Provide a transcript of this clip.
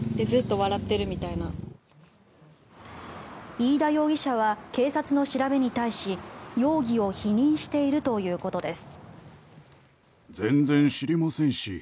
飯田容疑者は警察の調べに対し容疑を否認しているということです。